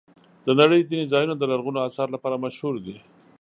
د نړۍ ځینې ځایونه د لرغونو آثارو لپاره مشهور دي.